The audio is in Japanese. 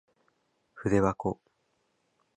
ふでばこ